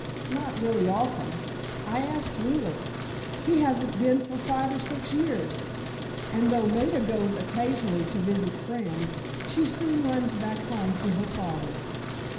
"Not really often—I asked Wheeler. He hasn't been for five or six years, and though Maida goes occasionally, to visit friends, she soon runs back home to her father."